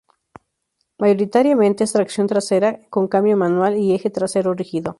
Mayoritariamente es tracción trasera con cambio manual y eje trasero rígido.